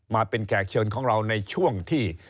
มาเป็นแขกเชิญของเราในช่วงที่